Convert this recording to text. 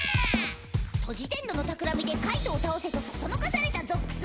トジテンドのたくらみで介人を倒せとそそのかされたゾックス。